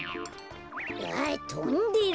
あっとんでる。